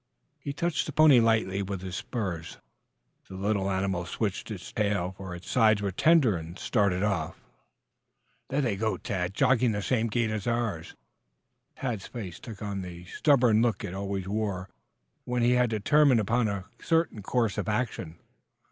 He touched the pony lightly with his spurs. The little animal switched its tail, for its sides were tender, and started off. "There they go, Tad! Jogging the same gait as ours!" Tad's face took on the stubborn look it always wore when he had determined upon a certain course of action.